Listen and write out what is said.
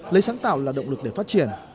lấy sáng tạo là động lực để phát triển